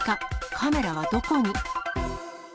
カメラはどこに？